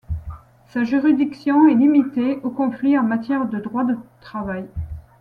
Sa juridiction est limitée aux conflits en matière de droit du travail.